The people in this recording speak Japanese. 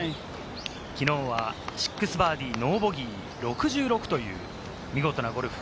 きのうは６バーディー、ノーボギー、６６という見事なゴルフ。